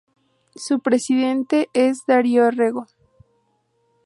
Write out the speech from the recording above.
Su presidente es Dario Rego.